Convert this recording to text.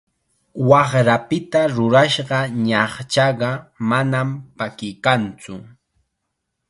Waqrapita rurashqa ñaqchaqa manam pakikantsu.